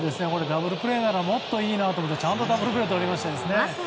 ダブルプレーならもっといいなと思うとちゃんとダブルプレーをとりましたね。